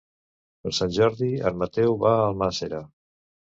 Per Sant Jordi en Mateu va a Almàssera.